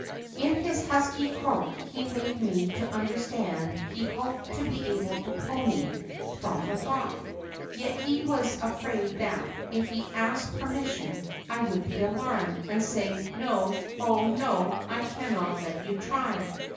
In his husky croak he made me to under stand he had hoped to he able to pull me from the rock. Yet he was afraid that, if he asked per mission, I would be alarmed, and say, ^ FTo, oh, no, I cannot let you try.